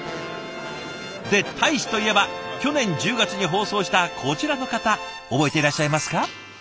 で大使といえば去年１０月に放送したこちらの方覚えていらっしゃいますか？